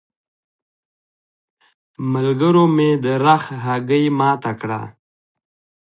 ملګرو مې د رخ هګۍ ماته کړه.